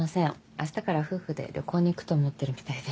あしたから夫婦で旅行に行くと思ってるみたいで。